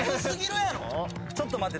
ちょっと待って。